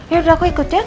yaudah aku ikut ya